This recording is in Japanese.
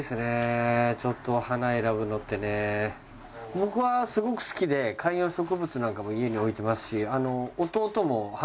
僕はすごく好きで観葉植物なんかも家に置いてますし。